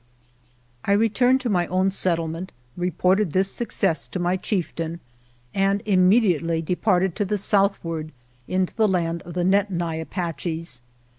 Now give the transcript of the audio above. I returned to my own settlement, reported this success to my chieftain, and immediately departed to the southward into the land of the Nedni Apaches.